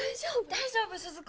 大丈夫鈴子？